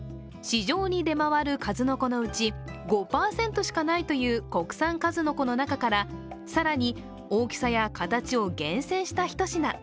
市場に出回る数の子のうち、５％しかないという国産数の子の中から更に大きさや形を厳選した一品。